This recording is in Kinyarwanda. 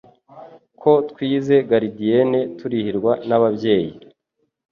Ko twize gardienne turihirwa n'ababyeyi